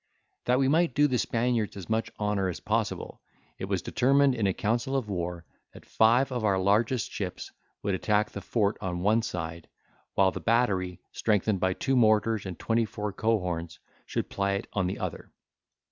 That we might do the Spaniards as much honour as possible, it was determined, in a council of war, that five of our largest ships should attack the fort on one side, while the battery, strengthened by two mortars and twenty four cohorns, should ply it on the other.